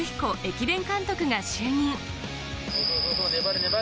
駅伝監督が就任。